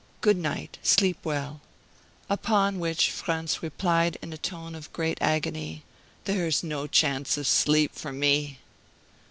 Good night sleep well;" upon which Franz replied in a tone of great agony, "There's no chance of sleep for me."